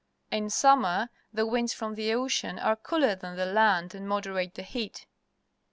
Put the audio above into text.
In summer the winds from the ocean are cooler than the land and moderate the heat.